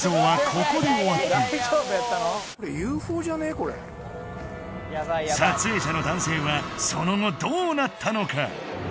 ・これ撮影者の男性はその後どうなったのか？